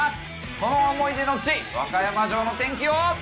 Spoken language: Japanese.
その思い出の地、和歌山城の天気を。